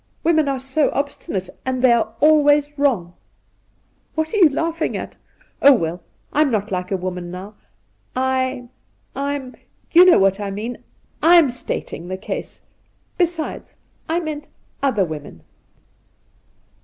Women are so obstinate, and they're always wrong ! What are you laughing at ? Oh, well, I'm not like a woman now. I'm — you know what I mean — I'm stating the case. Besides, I meant other women.'